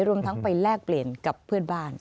รวมทั้งไปแลกเปลี่ยนกับเพื่อนบ้าน